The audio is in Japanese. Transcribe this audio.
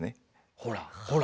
ほらほら。